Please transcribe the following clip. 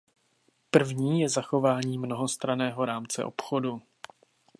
První je zachování mnohostranného rámce obchodu.